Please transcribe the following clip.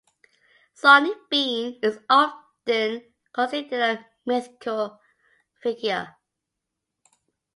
Sawney Bean is often considered a mythical figure.